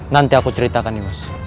nanti aku ceritakan nimas